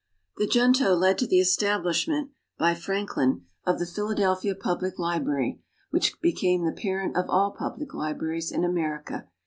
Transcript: The Junto led to the establishment, by Franklin, of the Philadelphia Public Library, which became the parent of all public libraries in America.